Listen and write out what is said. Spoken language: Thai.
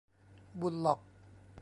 บุลล็อก